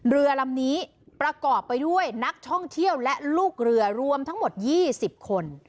เรือลำนี้ประกอบไปด้วยนักท่องเที่ยวและลูกเรือรวมทั้งหมด๒๐คน